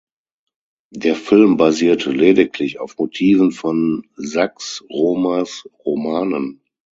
Der Film basiert lediglich auf Motiven von Sax Rohmers Romanen.